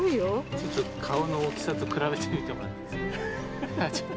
ちょっと顔の大きさと比べてみてもらっていいですか。